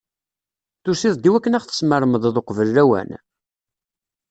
Tusiḍ-d iwakken ad ɣ-tesmeremdeḍ uqbel lawan?